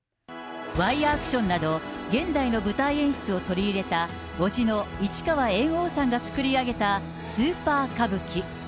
ワイヤーアクションなど、現代の舞台演出を取り入れた、伯父の市川猿翁さんが作り上げたスーパー歌舞伎。